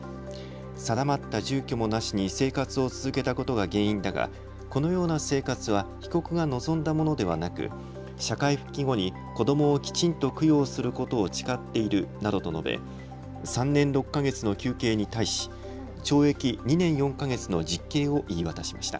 定まった住居もなしに生活を続けたことが原因だがこのような生活は被告が望んだものではなく社会復帰後に子どもをきちんと供養することを誓っているなどと述べ３年６か月の求刑に対し懲役２年４か月の実刑を言い渡しました。